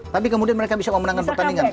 tapi kemudian mereka bisa memenangkan pertandingan